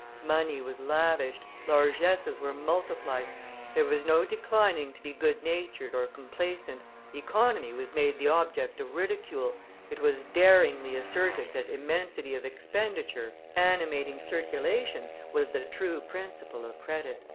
Money was lavished, largesses were multiplied, there was no declining to be good natured or complaisant, economy was made the object of ridicule, it was daringly asserted that immensity of expenditure, animating circulation, was the true principle of credit."